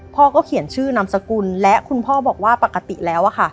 พ่อก็เขียนชื่อนามสกุลและคุณพ่อบอกว่าปกติแล้วอะค่ะ